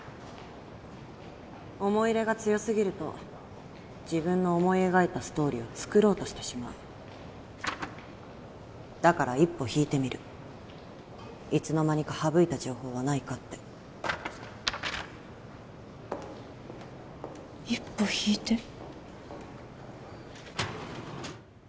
思い入れが強すぎると自分の思い描いたストーリーを作ろうとしてしまうだから一歩引いて見るいつの間にか省いた情報はないかって一歩引いて？